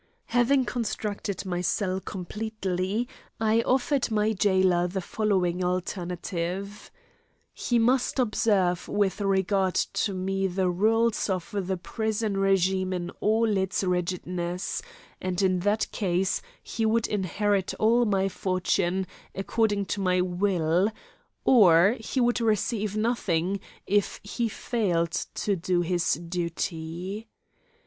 Having constructed my cell completely, I offered my jailer the following alternative: He must observe with regard to me the rules of the prison regime in all its rigidness, and in that case he would inherit all my fortune according to my will, or he would receive nothing if he failed to do his duty.